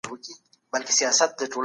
هوښیار سړی تل ارام وي.